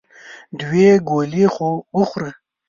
دوې ګولې خو وخوره !